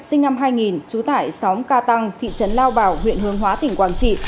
sinh năm hai nghìn trú tải xóm ca tăng thị trấn lao bảo huyện hương hóa tỉnh quảng trị